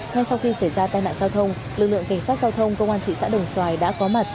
ngay sau khi xảy ra tai nạn giao thông lực lượng cảnh sát giao thông công an thị xã đồng xoài đã có mặt